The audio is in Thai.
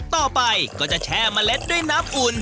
ต่อไปก็จะแช่เมล็ดด้วยน้ำอุ่น